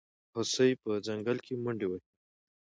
هوسۍ په ځنګل کې منډې وهي.